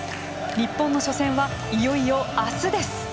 日本の初戦は、いよいよ明日です。